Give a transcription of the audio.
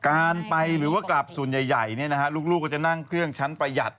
การไปหรือว่ากลับส่วนใหญ่ลูกก็จะนั่งเครื่องชั้นประหยัด